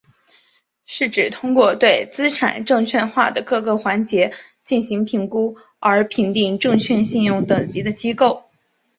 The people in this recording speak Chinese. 是指通过对资产证券化的各个环节进行评估而评定证券信用等级的机构。